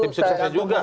tim suksesnya juga